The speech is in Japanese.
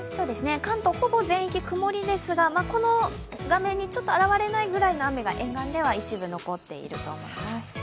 関東、ほぼ全域曇りですが画面に現れないぐらいの雨が沿岸では一部残っていると思います。